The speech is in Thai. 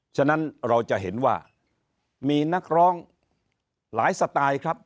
ฉะนั้นเราจะเห็นว่ามีนักร้องหลายสไตล์ครับ